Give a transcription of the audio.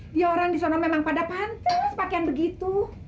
diorang disana memang pada pantas pakaian begitu